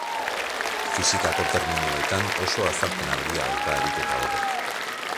Fisikako terminoetan oso azalpen argia dauka ariketa horrek.